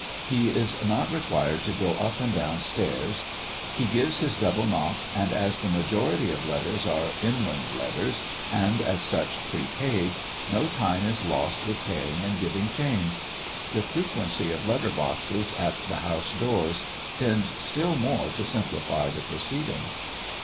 He is not required to go up and down stairs, he gives his double knock; and as the majority of letters are inland letters, and as such prepaid, no time is lost with paying and giving change. The frequency of letter boxes at the house doors tends still more to simplify the proceeding.